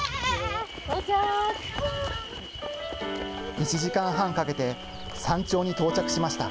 １時間半かけて山頂に到着しました。